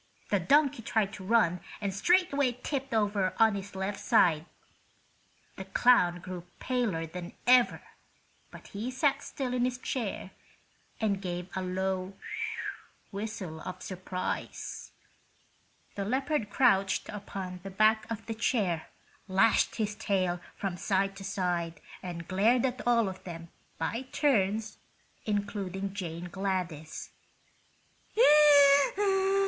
The donkey tried to run and straightway tipped over on his left side. The clown grew paler than ever, but he sat still in his chair and gave a low whistle of surprise. The leopard crouched upon the back of the chair, lashed his tail from side to side and glared at all of them, by turns, including Jane Gladys.